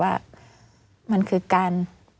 ว่ามันคือการ